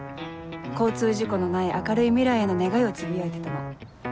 交通事故のない明るい未来への願いをつぶやいてたの。